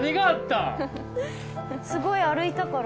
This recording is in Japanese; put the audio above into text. すごい歩いたから？